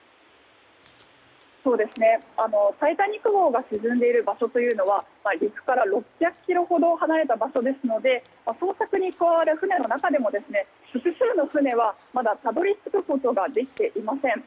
「タイタニック号」が沈んでいる場所というのは陸から６００ｋｍほど離れた場所ですので捜索に関わる船の中でも複数の船はまだたどり着くことができていません。